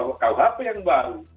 kalau apa yang baru